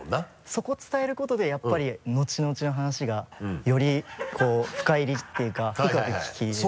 そこを伝えることでやっぱり後々の話がよりこう深入りっていうか深く聞き入れて。